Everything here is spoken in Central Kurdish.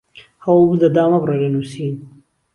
هەوڵ بدە دامەبڕێ لە نووسین